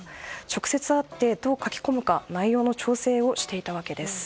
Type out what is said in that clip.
直接会ってどう書き込むか内容の調整をしていたわけです。